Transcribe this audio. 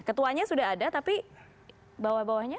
ketuanya sudah ada tapi bawah bawahnya